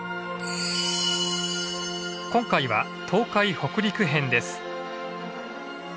今回は東海北陸編です。